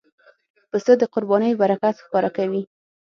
پسه د قربانۍ برکت ښکاره کوي.